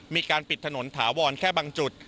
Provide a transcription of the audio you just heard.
มีการปิดถนนถาวรแค่บางจุด